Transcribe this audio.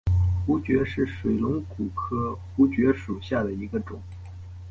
槲蕨是水龙骨科槲蕨属下的一个种。